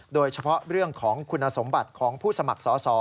โดยเฉพาะเรื่องของคุณสมบัติของผู้สมัครสอสอ